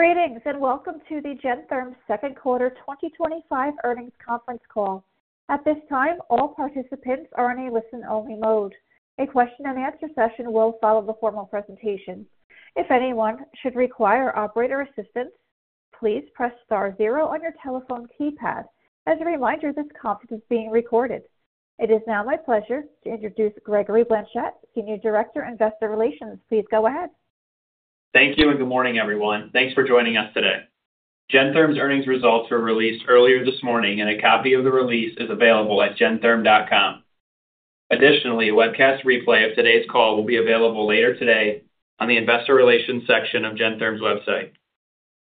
Greetings and welcome to Gentherm's Second Quarter 2025 Earnings Conference Call. At this time, all participants are in a listen-only mode. A question and answer session will follow the formal presentation. If anyone should require operator assistance, please press star zero on your telephone keypad. As a reminder, this conference is being recorded. It is now my pleasure to introduce Gregory Blanchette, Senior Director of Investor Relations. Please go ahead. Thank you and good morning, everyone. Thanks for joining us today. Gentherm's earnings results were released earlier this morning, and a copy of the release is available at gentherm.com. Additionally, a webcast replay of today's call will be available later today on the Investor Relations section of Gentherm's website.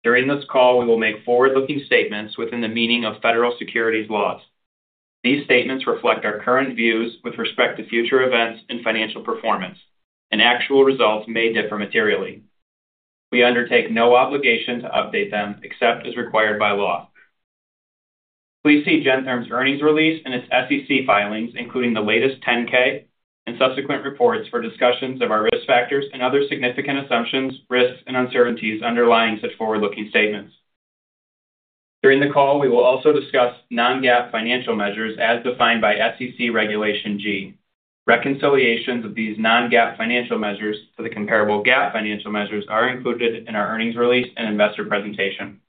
During this call, we will make forward-looking statements within the meaning of federal securities laws. These statements reflect our current views with respect to future events and financial performance, and actual results may differ materially. We undertake no obligation to update them except as required by law. Please see Gentherm's earnings release and its SEC filings, including the latest 10-K and subsequent reports, for discussions of our risk factors and other significant assumptions, risks, and uncertainties underlying such forward-looking statements. During the call, we will also discuss non-GAAP financial measures as defined by SEC Regulation G. Reconciliations of these non-GAAP financial measures to the comparable GAAP financial measures are included in our earnings release and investor presentation.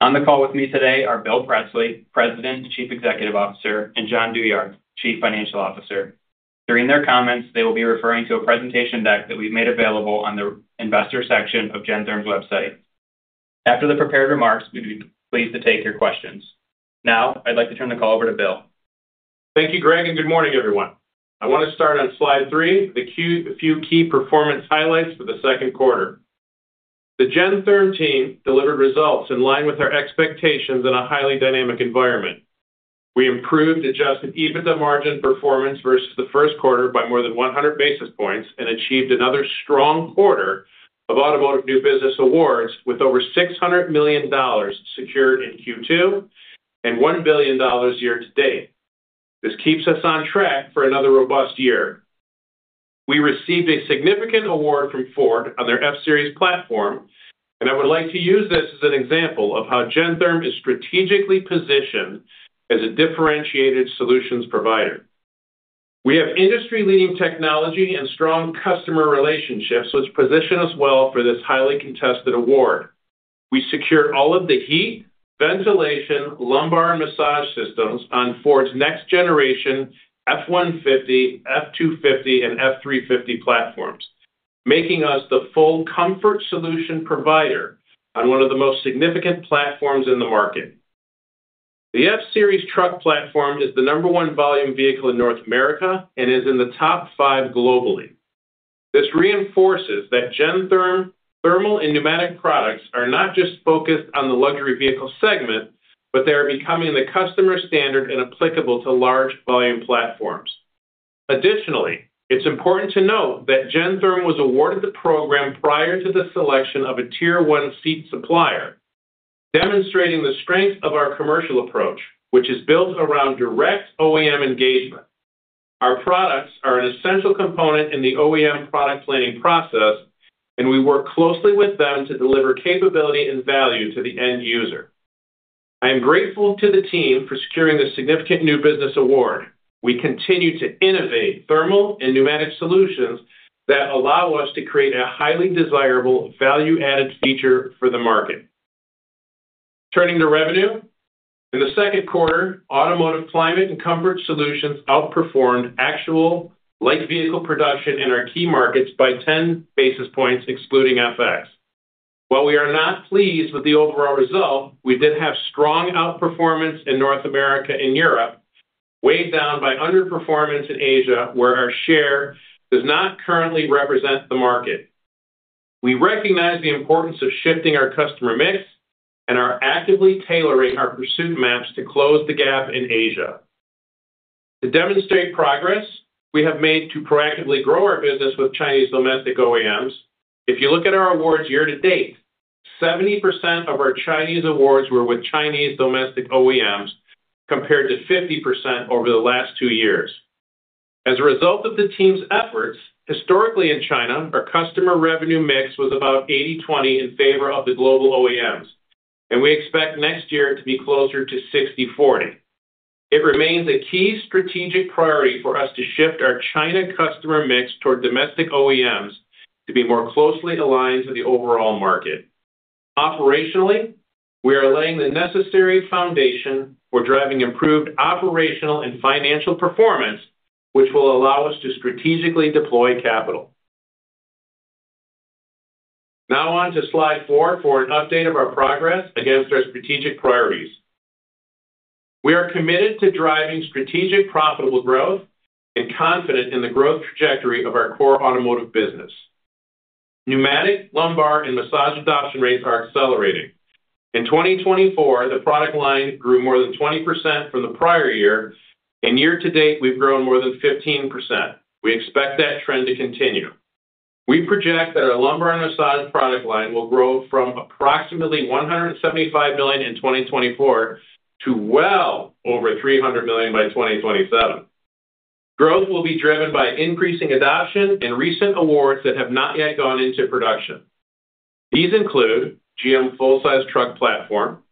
On the call with me today are Bill Presley, President, Chief Executive Officer, and Jon Douyard, Chief Financial Officer. During their comments, they will be referring to a presentation deck that we've made available on the investor section of Gentherm's website. After the prepared remarks, we'd be pleased to take your questions. Now, I'd like to turn the call over to Bill. Thank you, Greg, and good morning, everyone. I want to start on slide three, the few key performance highlights for the second quarter. The Gentherm team delivered results in line with our expectations in a highly dynamic environment. We improved adjusted EBITDA margin performance versus the first quarter by more than 100 basis points and achieved another strong quarter of automotive new business awards with over $600 million secured in Q2 and $1 billion year-to-date. This keeps us on track for another robust year. We received a significant award from Ford on their F-Series platform, and I would like to use this as an example of how Gentherm is strategically positioned as a differentiated solutions provider. We have industry-leading technology and strong customer relationships, which position us well for this highly contested award. We secured all of the heat, ventilation, lumbar, and massage systems on Ford's next generation F-150, F-250, and F-350 platforms, making us the full comfort solution provider on one of the most significant platforms in the market. The F-Series truck platform is the number one volume vehicle in North America and is in the top five globally. This reinforces that Gentherm thermal and pneumatic products are not just focused on the luxury vehicle segment, but they are becoming the customer standard and applicable to large volume platforms. Additionally, it's important to note that Gentherm was awarded the program prior to the selection of a tier one seat supplier, demonstrating the strength of our commercial approach, which is built around direct OEM engagement. Our products are an essential component in the OEM product planning process, and we work closely with them to deliver capability and value to the end user. I am grateful to the team for securing the significant new business award. We continue to innovate thermal and pneumatic solutions that allow us to create a highly desirable value-added feature for the market. Turning to revenue, in the second quarter, automotive climate and comfort solutions outperformed actual light vehicle production in our key markets by 10 basis points, excluding FX. While we are not pleased with the overall result, we did have strong outperformance in North America and Europe, weighed down by underperformance in Asia, where our share does not currently represent the market. We recognize the importance of shifting our customer mix and are actively tailoring our pursuit maps to close the gap in Asia. To demonstrate progress, we have made to proactively grow our business with Chinese domestic OEMs. If you look at our awards year to date, 70% of our Chinese awards were with Chinese domestic OEMs compared to 50% over the last two years. As a result of the team's efforts, historically in China, our customer revenue mix was about 80/20 in favor of the global OEMs, and we expect next year to be closer to 60/40. It remains a key strategic priority for us to shift our China customer mix toward domestic OEMs to be more closely aligned to the overall market. Operationally, we are laying the necessary foundation for driving improved operational and financial performance, which will allow us to strategically deploy capital. Now on to slide four for an update of our progress against our strategic priorities. We are committed to driving strategic profitable growth and confident in the growth trajectory of our core automotive business. Pneumatic, lumbar, and massage adoption rates are accelerating. In 2024, the product line grew more than 20% from the prior year, and year-to-date, we've grown more than 15%. We expect that trend to continue. We project that our lumbar and massage product line will grow from approximately $175 million in 2024 to well over $300 million by 2027. Growth will be driven by increasing adoption and recent awards that have not yet gone into production. These include GM's full-size truck platform,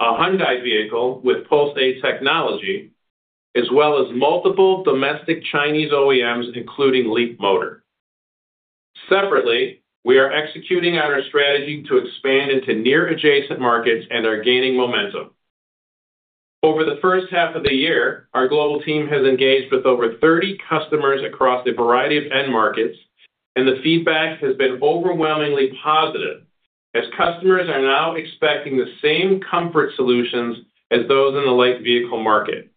a Hyundai vehicle with Pulsea technology, as well as multiple domestic Chinese OEMs, including Leapmotor. Separately, we are executing on our strategy to expand into near adjacent markets and are gaining momentum. Over the first half of the year, our global team has engaged with over 30 customers across a variety of end markets, and the feedback has been overwhelmingly positive as customers are now expecting the same comfort solutions as those in the light vehicle market.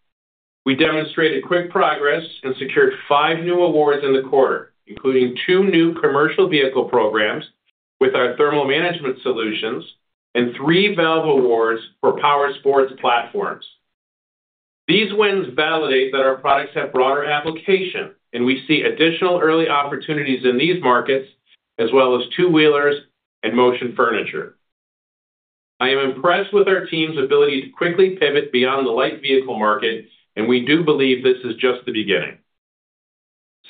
We demonstrated quick progress and secured five new awards in the quarter, including two new commercial vehicle programs with our thermal management solutions and three valve awards for power sports platforms. These wins validate that our products have broader application, and we see additional early opportunities in these markets, as well as two-wheelers and motion furniture. I am impressed with our team's ability to quickly pivot beyond the light vehicle market, and we do believe this is just the beginning.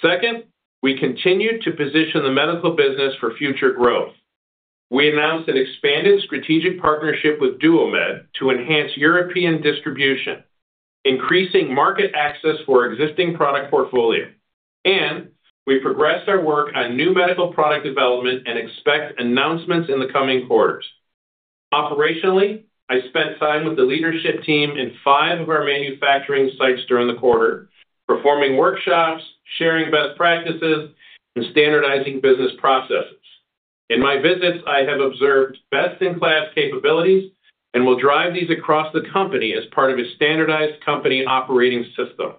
Second, we continue to position the medical business for future growth. We announced an expanded strategic partnership with DuoMed to enhance European distribution, increasing market access for our existing product portfolio, and we progressed our work on new medical product development and expect announcements in the coming quarters. Operationally, I spent time with the leadership team in five of our manufacturing sites during the quarter, performing workshops, sharing best practices, and standardizing business processes. In my visits, I have observed best-in-class capabilities and will drive these across the company as part of a standardized company operating system.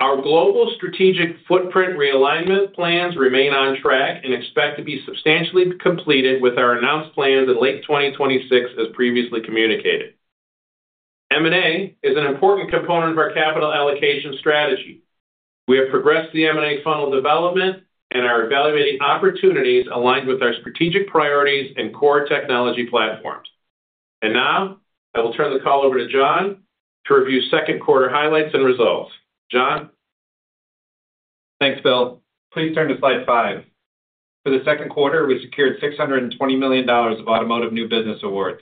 Our global strategic footprint realignment plans remain on track and expect to be substantially completed with our announced plans in late 2026, as previously communicated. M&A is an important component of our capital allocation strategy. We have progressed the M&A funnel development and are evaluating opportunities aligned with our strategic priorities and core technology platforms. I will turn the call over to Jon to review second quarter highlights and results. Jon? Thanks, Bill. Please turn to slide five. For the second quarter, we secured $620 million of automotive new business awards.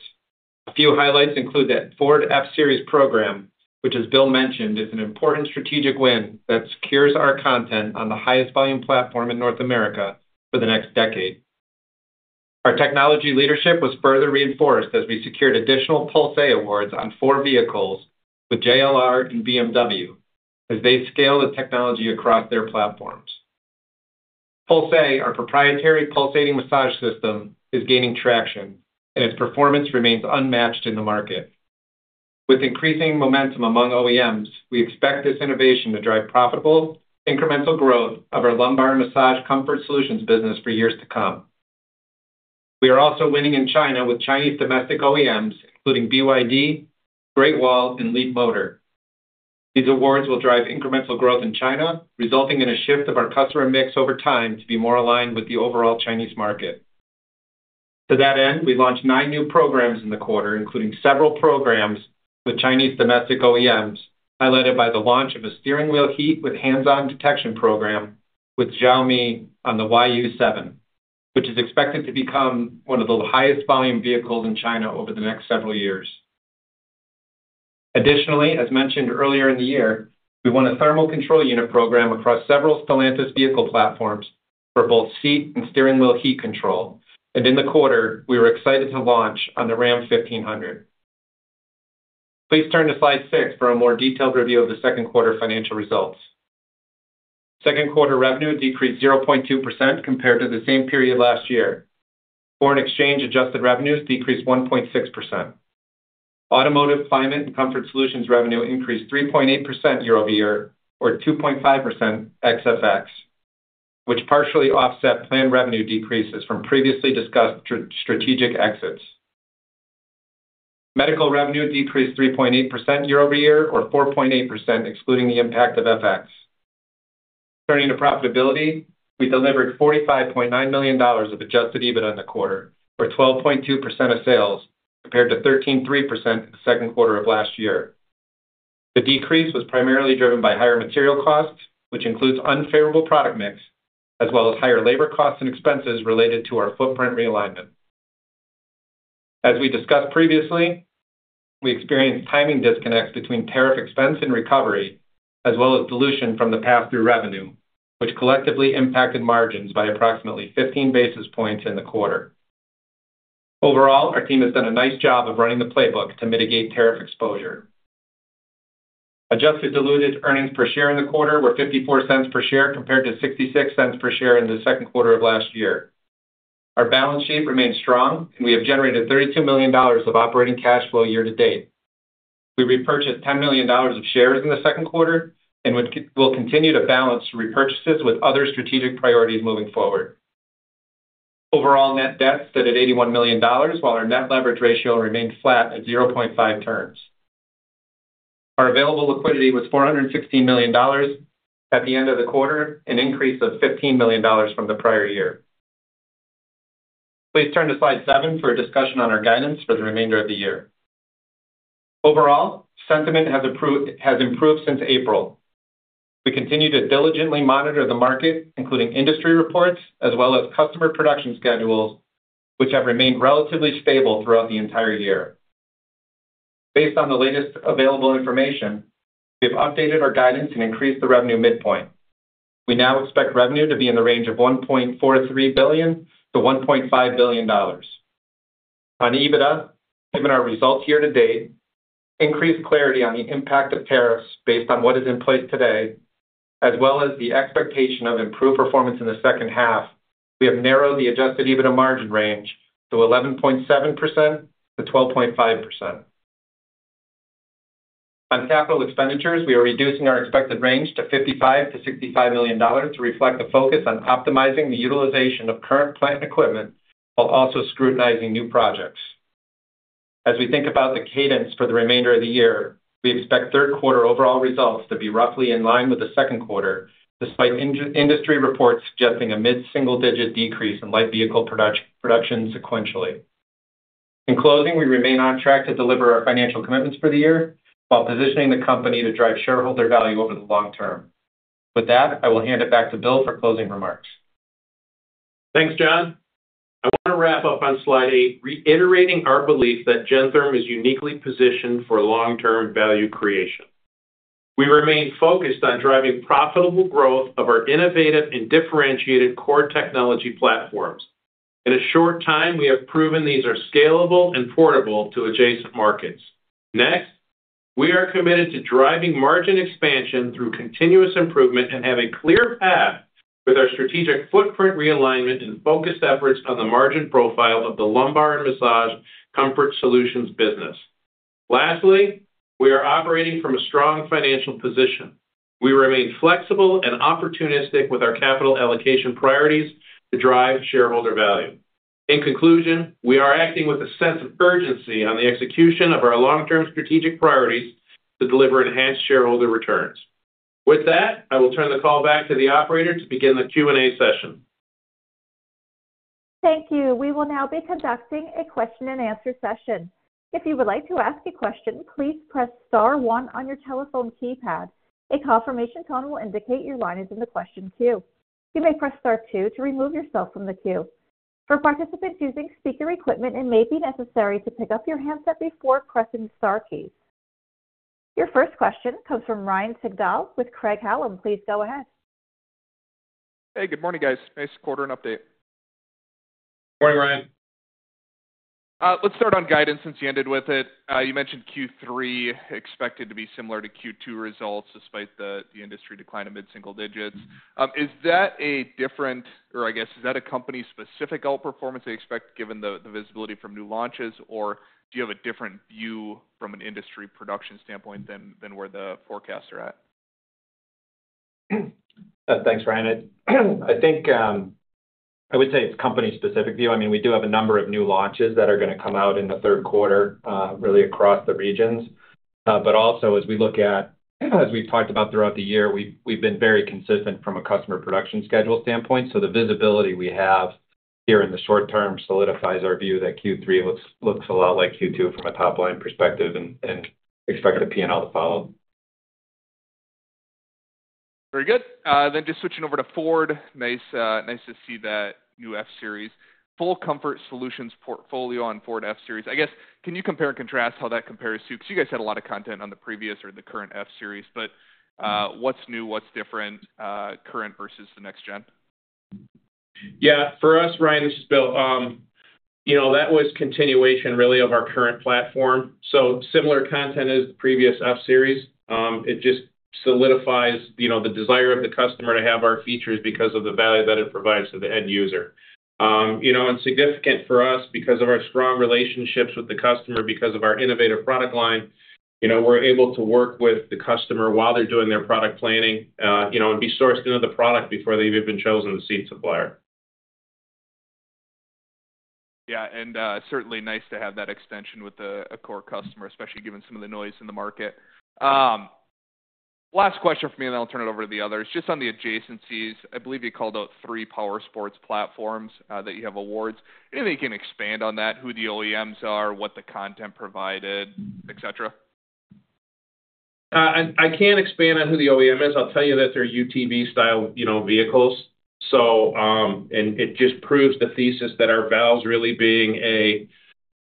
A few highlights include that Ford F-Series program, which, as Bill mentioned, is an important strategic win that secures our content on the highest volume platform in North America for the next decade. Our technology leadership was further reinforced as we secured additional Pulsea awards on four vehicles with JLR and BMW as they scale the technology across their platforms. Pulsea, our proprietary pulsating massage system, is gaining traction, and its performance remains unmatched in the market. With increasing momentum among OEMs, we expect this innovation to drive profitable incremental growth of our lumbar massage comfort solutions business for years to come. We are also winning in China with Chinese domestic OEMs, including BYD, Great Wall, and Leapmotor. These awards will drive incremental growth in China, resulting in a shift of our customer mix over time to be more aligned with the overall Chinese market. To that end, we launched nine new programs in the quarter, including several programs with Chinese domestic OEMs highlighted by the launch of a steering wheel heat with hands-on detection program with Xiaomi on the YU7, which is expected to become one of the highest volume vehicles in China over the next several years. Additionally, as mentioned earlier in the year, we won a thermal control unit program across several Stellantis vehicle platforms for both seat and steering wheel heat control, and in the quarter, we were excited to launch on the Ram 1500. Please turn to slide six for a more detailed review of the second quarter financial results. Second quarter revenue decreased 0.2% compared to the same period last year. Foreign exchange adjusted revenues decreased 1.6%. Automotive climate and comfort solutions revenue increased 3.8% year-over-year, or 2.5% ex-FX, which partially offset planned revenue decreases from previously discussed strategic exits. Medical revenue decreased 3.8% year-over-year, or 4.8% excluding the impact of FX. Turning to profitability, we delivered $45.9 million of adjusted EBITDA in the quarter, or 12.2% of sales compared to 13.3% in the second quarter of last year. The decrease was primarily driven by higher material costs, which includes unfavorable product mix, as well as higher labor costs and expenses related to our footprint realignment. As we discussed previously, we experienced timing disconnects between tariff expense and recovery, as well as dilution from the pass-through revenue, which collectively impacted margins by approximately 15 basis points in the quarter. Overall, our team has done a nice job of running the playbook to mitigate tariff exposure. Adjusted diluted earnings per share in the quarter were $0.54 per share compared to $0.66 per share in the second quarter of last year. Our balance sheet remains strong, and we have generated $32 million of operating cash flow year-to-date. We repurchased $10 million of shares in the second quarter and will continue to balance repurchases with other strategic priorities moving forward. Overall, net debt stood at $81 million, while our net leverage ratio remained flat at 0.5 turns. Our available liquidity was $416 million at the end of the quarter, an increase of $15 million from the prior year. Please turn to slide seven for a discussion on our guidance for the remainder of the year. Overall, sentiment has improved since April. We continue to diligently monitor the market, including industry reports, as well as customer production schedules, which have remained relatively stable throughout the entire year. Based on the latest available information, we have updated our guidance and increased the revenue midpoint. We now expect revenue to be in the range of $1.43 billion - $1.5 billion. On EBITDA, given our results year-to-date, increased clarity on the impact of tariffs based on what is in place today, as well as the expectation of improved performance in the second half, we have narrowed the adjusted EBITDA margin range to 11.7% - 12.5%. On capital expenditures, we are reducing our expected range to $55 million - $65 million to reflect the focus on optimizing the utilization of current plant and equipment while also scrutinizing new projects. As we think about the cadence for the remainder of the year, we expect third quarter overall results to be roughly in line with the second quarter, despite industry reports suggesting a mid-single-digit decrease in light vehicle production sequentially. In closing, we remain on track to deliver our financial commitments for the year while positioning the company to drive shareholder value over the long term. With that, I will hand it back to Bill for closing remarks. Thanks, John. I want to wrap up on slide eight, reiterating our belief that Gentherm is uniquely positioned for long-term value creation. We remain focused on driving profitable growth of our innovative and differentiated core technology platforms. In a short time, we have proven these are scalable and portable to adjacent markets. Next, we are committed to driving margin expansion through continuous improvement and have a clear path with our strategic footprint realignment and focused efforts on the margin profile of the lumbar and massage comfort solutions business. Lastly, we are operating from a strong financial position. We remain flexible and opportunistic with our capital allocation priorities to drive shareholder value. In conclusion, we are acting with a sense of urgency on the execution of our long-term strategic priorities to deliver enhanced shareholder returns. With that, I will turn the call back to the operator to begin the Q&A session. Thank you. We will now be conducting a question and answer session. If you would like to ask a question, please press star one on your telephone keypad. A confirmation tone will indicate your line is in the question queue. You may press star two to remove yourself from the queue. For participants using speaker equipment, it may be necessary to pick up your handset before pressing the star key. Your first question comes from Ryan Sigdahl with Craig Hallum. Please go ahead. Hey, good morning, guys. Nice quarter and update. Morning, Ryan. Let's start on guidance since you ended with it. You mentioned Q3 expected to be similar to Q2 results despite the industry decline of mid-single digits. Is that a different, or is that a company-specific outperformance they expect given the visibility from new launches, or do you have a different view from an industry production standpoint than where the forecasts are at? Thanks, Ryan. I think I would say it's a company-specific view. I mean, we do have a number of new launches that are going to come out in the third quarter, really across the regions. Also, as we look at, as we've talked about throughout the year, we've been very consistent from a customer production schedule standpoint. The visibility we have here in the short term solidifies our view that Q3 looks a lot like Q2 from a top-line perspective and expect the P&L to follow. Very good. Just switching over to Ford. Nice to see that new F-Series. Full comfort solutions portfolio on Ford F-Series. I guess, can you compare and contrast how that compares to, because you guys had a lot of content on the previous or the current F-Series, but what's new, what's different, current versus the next gen? Yeah, for us, Ryan, this is Bill. That was a continuation, really, of our current platform. Similar content as the previous F-Series. It just solidifies the desire of the customer to have our features because of the value that it provides to the end user. Significant for us because of our strong relationships with the customer, because of our innovative product line, we're able to work with the customer while they're doing their product planning and be sourced into the product before they've even chosen the seat supplier. Yeah, and certainly nice to have that extension with a core customer, especially given some of the noise in the market. Last question from me, then I'll turn it over to the others, just on the adjacencies. I believe you called out three power sports platforms that you have awards. Maybe you can expand on that, who the OEMs are, what the content provided, et cetera? I can't expand on who the OEM is. I'll tell you that they're UTV-style vehicles, and it just proves the thesis that our valves really being a,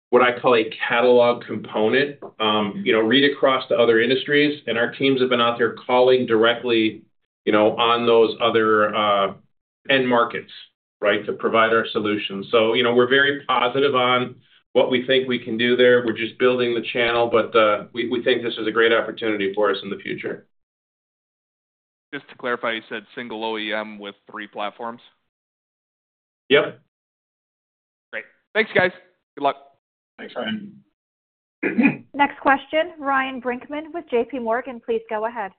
what I call a catalog component, read across to other industries. Our teams have been out there calling directly on those other end markets to provide our solutions. We're very positive on what we think we can do there. We're just building the channel, but we think this is a great opportunity for us in the future. Just to clarify, you said single OEM with three platforms? Yep. Great. Thanks, guys. Good luck. Thanks, Ryan. Next question, Ryan Brinkman with J.P. Morgan. Please go ahead.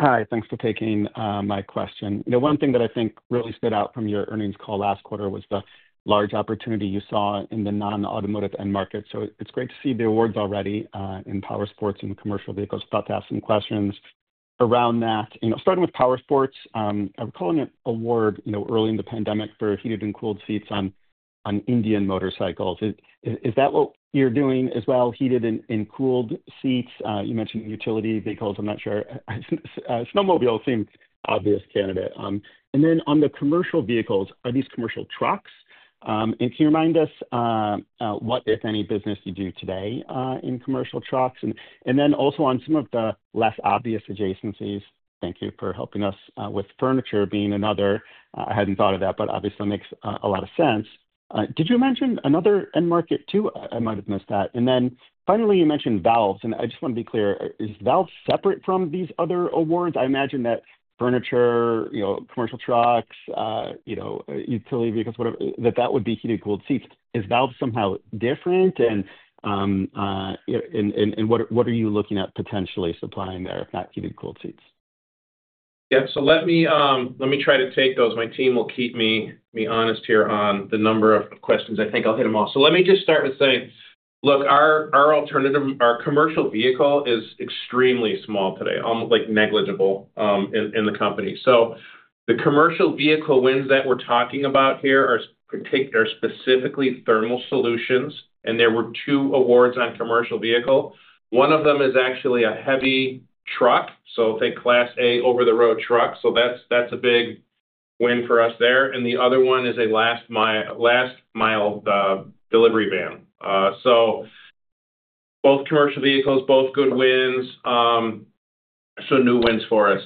Hi, thanks for taking my question. One thing that I think really stood out from your earnings call last quarter was the large opportunity you saw in the non-automotive end market. It's great to see the awards already in power sports and commercial vehicles. I'm about to ask some questions around that. Starting with power sports, I'm calling it an award, early in the pandemic for heated and cooled seats on Indian motorcycles. Is that what you're doing as well, heated and cooled seats? You mentioned utility vehicles. I'm not sure. I think snowmobile seems an obvious candidate. On the commercial vehicles, are these commercial trucks? Can you remind us what, if any, business you do today in commercial trucks? Also, on some of the less obvious adjacencies, thank you for helping us with furniture being another. I hadn't thought of that, but obviously makes a lot of sense. Did you mention another end market too? I might have missed that. Finally, you mentioned valves. I just want to be clear, is valves separate from these other awards? I imagine that furniture, commercial trucks, utility vehicles, whatever, that would be heated and cooled seats. Is valve somehow different? What are you looking at potentially supplying there, if not heated and cooled seats? Let me try to take those. My team will keep me honest here on the number of questions. I think I'll hit them all. Let me just start with saying, look, our alternative, our commercial vehicle is extremely small today, almost negligible in the company. The commercial vehicle wins that we're talking about here are specifically thermal solutions. There were two awards on commercial vehicle. One of them is actually a heavy truck. I'll take class A over-the-road truck. That's a big win for us there. The other one is a last-mile delivery van. Both commercial vehicles, both good wins. New wins for us.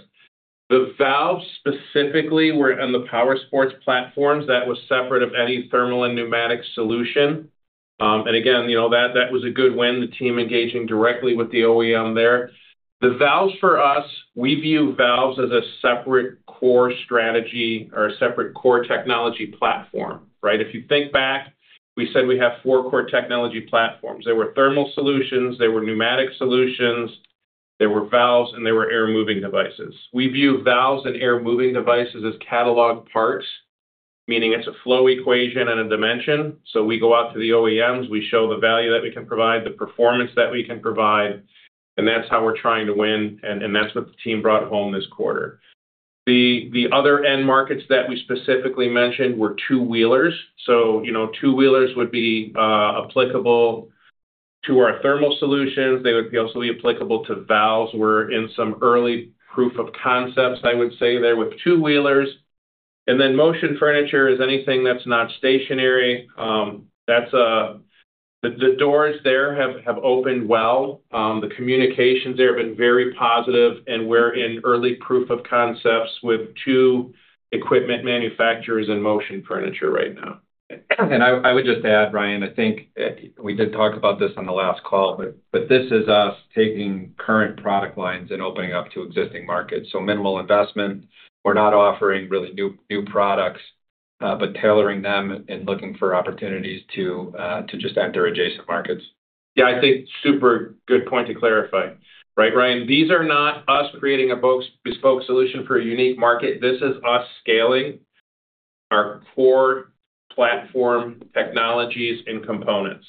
The valve specifically were on the power sports platforms. That was separate of any thermal and pneumatic solution. That was a good win. The team engaging directly with the OEM there. The valves for us, we view valves as a separate core strategy or a separate core technology platform, right? If you think back, we said we have four core technology platforms. There were thermal solutions, there were pneumatic solutions, there were valves, and there were air-moving devices. We view valves and air-moving devices as catalog parts, meaning it's a flow equation and a dimension. We go out to the OEMs, we show the value that we can provide, the performance that we can provide, and that's how we're trying to win. That's what the team brought home this quarter. The other end markets that we specifically mentioned were two-wheelers. Two-wheelers would be applicable to our thermal solutions. They would be also applicable to valves. We're in some early proof of concepts, I would say, there with two-wheelers. Motion furniture is anything that's not stationary. The doors there have opened well. The communications there have been very positive, and we're in early proof of concepts with two equipment manufacturers in motion furniture right now. I would just add, Ryan, I think we did talk about this on the last call. This is us taking current product lines and opening up to existing markets. Minimal investment. We're not offering really new products, but tailoring them and looking for opportunities to just add to our adjacent markets. Yeah, I think super good point to clarify. Right, Ryan, these are not us creating a bespoke solution for a unique market. This is us scaling our core platform technologies and components.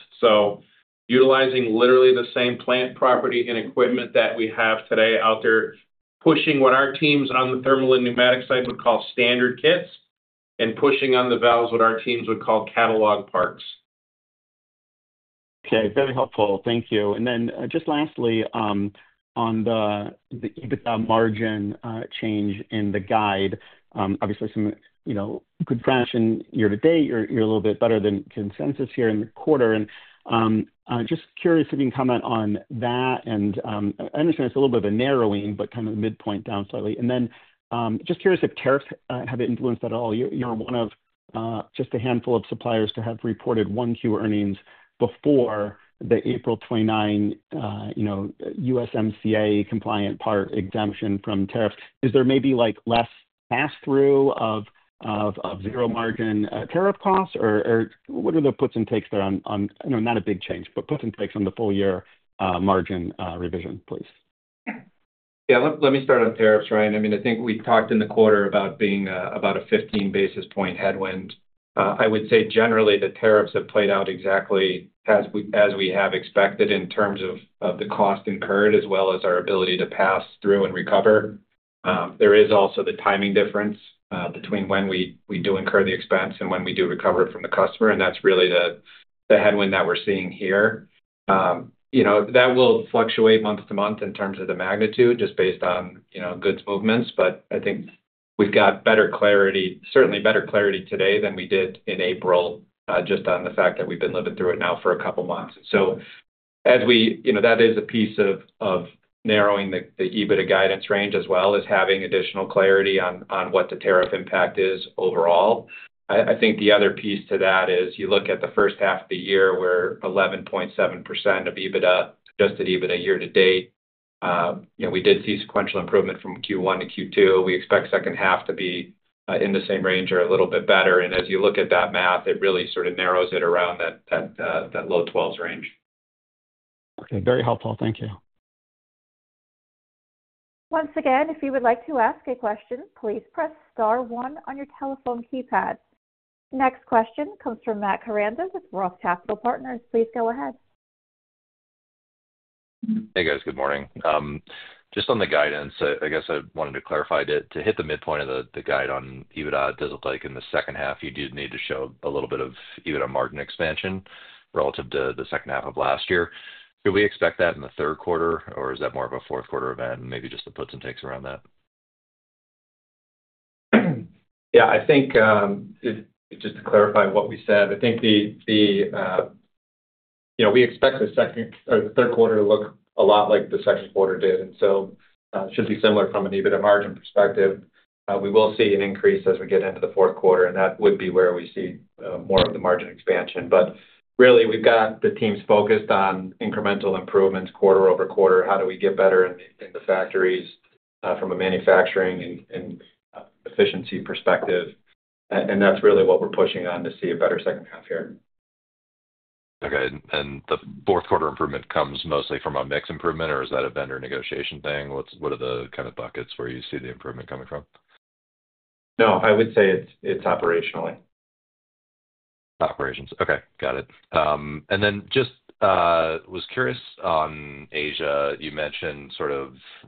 Utilizing literally the same plant, property, and equipment that we have today out there, pushing what our teams on the thermal and pneumatic side would call standard kits, and pushing on the valves what our teams would call catalog parts. Okay, very helpful. Thank you. Just lastly, on the EBITDA margin change in the guide, obviously some good fashion year-to-date. You're a little bit better than consensus here in the quarter. I'm just curious if you can comment on that. I understand it's a little bit of a narrowing, but kind of midpoint down slightly. I'm just curious if tariffs have influenced that at all. You're one of just a handful of suppliers to have reported Q1 earnings before the April 29 U.S.M.C.A. compliant part exemption from tariffs. Is there maybe less pass-through of zero margin tariff costs, or what are the puts and takes there on, not a big change, but puts and takes on the full year margin revision, please? Yeah, let me start on tariffs, Ryan. I mean, I think we talked in the quarter about being about a 15 basis point headwind. I would say generally the tariffs have played out exactly as we have expected in terms of the cost incurred, as well as our ability to pass through and recover. There is also the timing difference between when we do incur the expense and when we do recover it from the customer. That's really the headwind that we're seeing here. That will fluctuate month to month in terms of the magnitude just based on goods movements. I think we've got better clarity, certainly better clarity today than we did in April, just on the fact that we've been living through it now for a couple of months. As we, you know, that is a piece of narrowing the EBITDA guidance range as well as having additional clarity on what the tariff impact is overall. I think the other piece to that is you look at the first half of the year where 11.7% of EBITDA, adjusted EBITDA year-to-date. We did see sequential improvement from Q1 to Q2. We expect the second half to be in the same range or a little bit better. As you look at that math, it really sort of narrows it around that low 12% range. Okay, very helpful. Thank you. Once again, if you would like to ask a question, please press star one on your telephone keypad. Next question comes from Matt Caranda with Roth Tactical Partners. Please go ahead. Hey, guys, good morning. Just on the guidance, I guess I wanted to clarify to hit the midpoint of the guide on EBITDA, it doesn't look like in the second half you do need to show a little bit of EBITDA margin expansion relative to the second half of last year. Do we expect that in the third quarter, or is that more of a fourth quarter event, and maybe just the puts and takes around that? I think - just to clarify what we said, we expect the second or third quarter to look a lot like the second quarter did, so it should be similar from an EBITDA margin perspective. We will see an increase as we get into the fourth quarter, and that would be where we see more of the margin expansion. We've got the teams focused on incremental improvements quarter-over-quarter. How do we get better in the factories from a manufacturing and efficiency perspective? That's really what we're pushing on to see a better second half here. Okay, the fourth quarter improvement comes mostly from a mix improvement, or is that a vendor negotiation thing? What are the kind of buckets where you see the improvement coming from? No, I would say it's operationally. Okay, got it. I was curious on Asia. You mentioned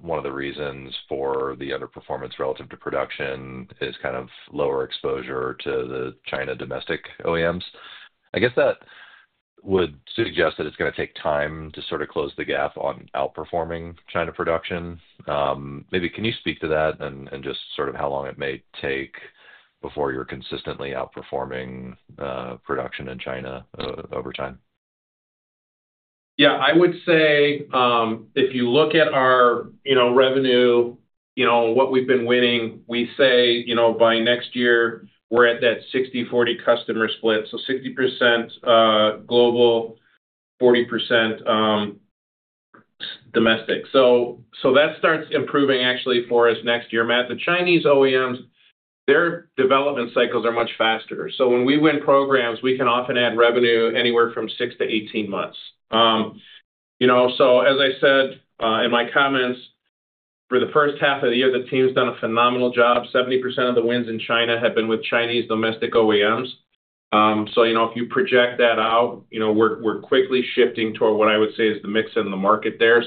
one of the reasons for the underperformance relative to production is kind of lower exposure to the China domestic OEMs. I guess that would suggest that it's going to take time to close the gap on outperforming China production. Maybe can you speak to that and how long it may take before you're consistently outperforming production in China over time? Yeah, I would say if you look at our revenue, you know, what we've been winning, we'd say by next year, we're at that 60/40 customer split, so 60% global, 40% domestic. That starts improving actually for us next year. Matt, the Chinese OEMs, their development cycles are much faster. When we win programs, we can often add revenue anywhere from six - 18 months. As I said in my comments, for the first half of the year, the team's done a phenomenal job. 70% of the wins in China have been with Chinese domestic OEMs. If you project that out, we're quickly shifting toward what I would say is the mix in the market there.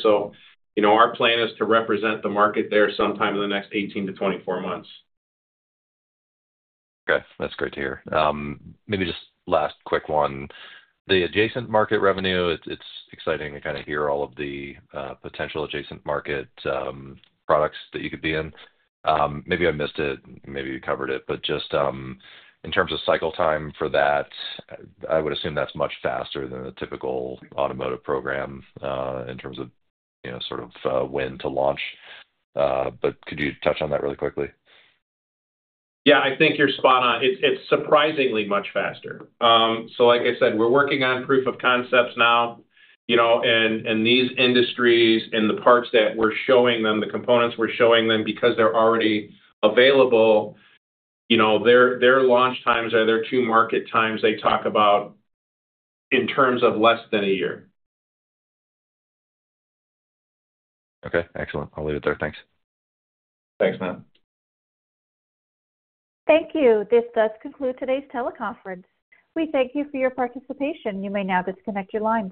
Our plan is to represent the market there sometime in the next 18 - 24 months. Okay, that's great to hear. Maybe just last quick one. The adjacent market revenue, it's exciting to kind of hear all of the potential adjacent market products that you could be in. Maybe I missed it, maybe you covered it, but just in terms of cycle time for that, I would assume that's much faster than the typical automotive program in terms of, you know, sort of when to launch. Could you touch on that really quickly? Yeah, I think you're spot on. It's surprisingly much faster. Like I said, we're working on proof of concepts now, you know, and these industries and the parts that we're showing them, the components we're showing them, because they're already available, you know, their launch times are their to market times they talk about in terms of less than a year. Okay, excellent. I'll leave it there. Thanks. Thanks, Matt. Thank you. This does conclude today's teleconference. We thank you for your participation. You may now disconnect your lines.